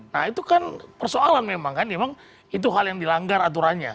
nah itu kan persoalan memang kan memang itu hal yang dilanggar aturannya